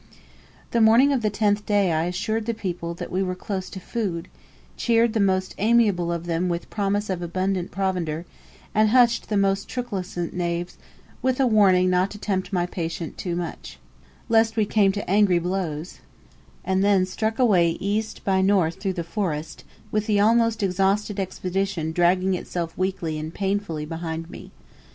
The morning of the tenth day I assured the people that we were close to food; cheered the most amiable of them with promise of abundant provender, and hushed the most truculent knaves with a warning not to tempt my patience too much, lest we came to angry blows; and then struck away east by north through the forest, with the almost exhausted Expedition dragging itself weakly and painfully behind me.